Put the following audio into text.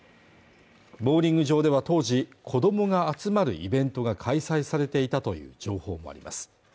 ボウリング場では当時子どもが集まるイベントが開催されていたという情報もあります